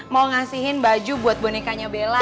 mau ngasihin baju buat bonekanya bella